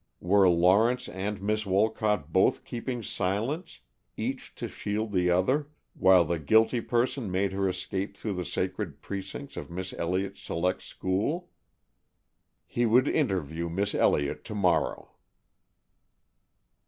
Were Lawrence and Miss Wolcott both keeping silence, each to shield the other, while the guilty person made her escape through the sacred precincts of Miss Elliott's select school? He would interview Miss Elliott to morrow.